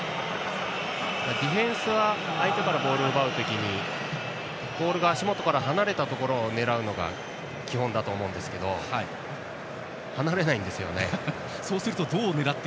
ディフェンスは相手からボールを奪う時にボールが足元から離れたところを狙うのが基本だと思いますが離れないんですよね。